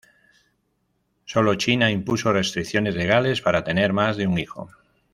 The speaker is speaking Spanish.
Solo China impuso restricciones legales para tener más de un hijo.